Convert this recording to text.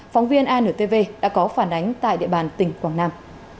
phóng viên antv đã có phản ánh tại địa bàn tỉnh quảng nam